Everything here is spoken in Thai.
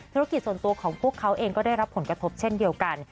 ธุรกิจส่วนตัวของพวกเขาเองก็ได้รับผลกระทบเช่นเดียวกัน